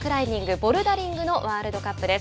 ボルダリングのワールドカップです。